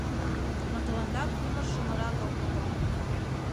Но тыланда кумыр-шымырат ок логал.